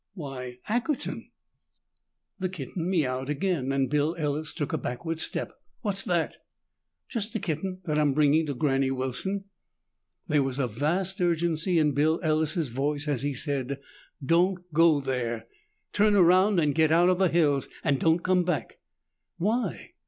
"Why Ackerton." The kitten miaouwed again and Bill Ellis took a backward step. "What's that?" "Just a kitten that I'm bringing to Granny Wilson." There was vast urgency in Bill Ellis' voice as he said, "Don't go there. Turn around and get out of the hills. Don't come back." "Why?"